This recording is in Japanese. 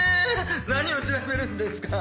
何を調べるんですか？